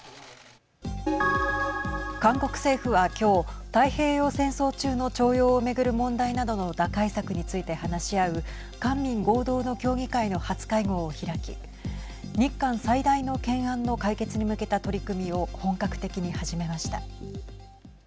韓国政府はきょう太平洋戦争中の徴用を巡る問題などの打開策について話し合う官民合同の協議会の初会合を開き日韓最大の懸案の解決に向けた取り組みを本格的に始めました。